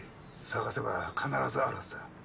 探せば必ずあるはずだ。